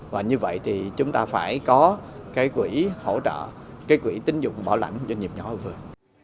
và như vậy thì chúng ta phải có cái quỹ hỗ trợ cái quỹ tính dụng bảo lãnh doanh nghiệp nhỏ và vừa